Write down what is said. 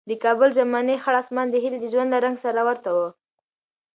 د کابل ژمنی خړ اسمان د هیلې د ژوند له رنګ سره ورته و.